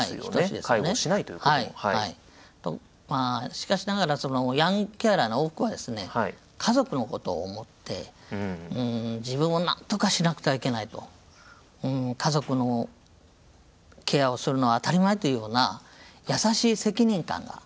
しかしながらそのヤングケアラーの多くはですね家族のことを思って自分がなんとかしなくてはいけないと家族のケアをするのは当たり前というような優しい責任感が。